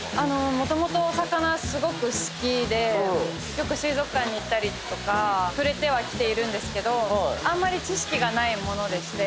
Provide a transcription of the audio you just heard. もともとお魚すごく好きでよく水族館に行ったりとか触れてはきているんですけどあんまり知識がないものでして。